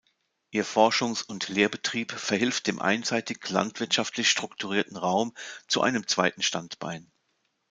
Ihr Forschungs- und Lehrbetrieb verhilft dem einseitig landwirtschaftlich strukturierten Raum zu einem zweiten Standbein.